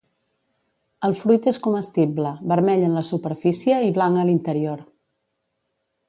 El fruit és comestible, vermell en la superfície i blanc a l'interior.